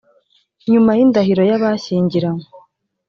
nyuma y indahiro y abashyingiranywe